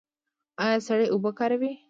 ایا سړې اوبه کاروئ؟